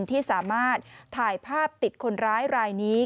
ที่สามารถถ่ายภาพติดคนร้ายรายนี้